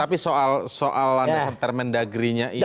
tapi soal permendagri ini